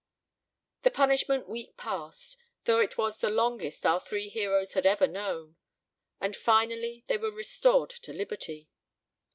The punishment week passed, though it was the longest our three heroes had ever known, and finally they were restored to liberty.